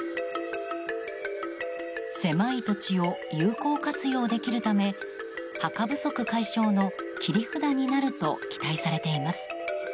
狭い土地を有効活用できるため墓不足解消の切り札になると期待されています。